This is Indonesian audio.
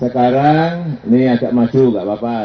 sekarang ini agak maju enggak bapak